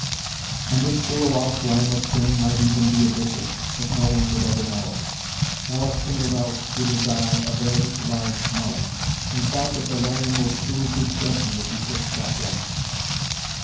And this poor lost lamb of sin might even be a bishop, but no one would ever know it. Alek singled out with his eye a very large melon, and thought that the lamb would prove his judgment if he took that one.